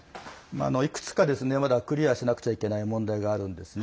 いくつか、まだクリアしなくちゃいけない問題があるんですね。